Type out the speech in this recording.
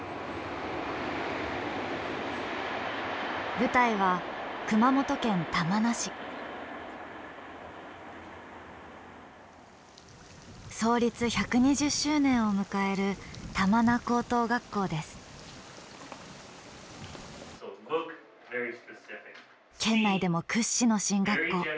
舞台は創立１２０周年を迎える県内でも屈指の進学校。